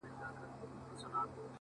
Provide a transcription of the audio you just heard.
چا ویل دا چي. ژوندون آسان دی.